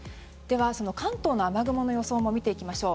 その関東の雨雲の予想も見ていきましょう。